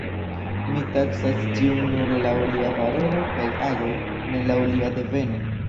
Mi taksas ĉiun nur laŭ lia valoro kaj agoj, ne laŭ lia deveno.